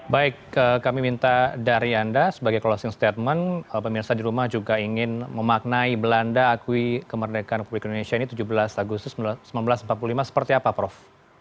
baik kami minta dari anda sebagai closing statement pemirsa di rumah juga ingin memaknai belanda akui kemerdekaan republik indonesia ini tujuh belas agustus seribu sembilan ratus empat puluh lima seperti apa prof